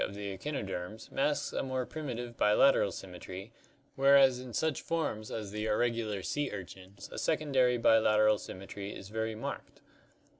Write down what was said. of the ectnnoderms masks a more primitive bilateral symmetry, whereas in such forms as the ir regular sea urchins a secondary bilateral symmetry is very marked.